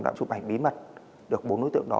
đã chụp ảnh bí mật được bốn đối tượng đó